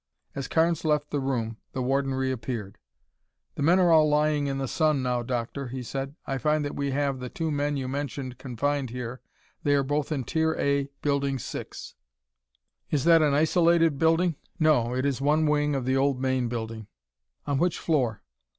As Carnes left the room, the warden reappeared. "The men are all lying in the sun now, Doctor," he said. "I find that we have the two men you mentioned confined here. They are both in Tier A, Building 6." "Is that an isolated building?" "No, it is one wing of the old main building." "On which floor?"